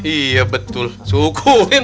iya betul sukuhin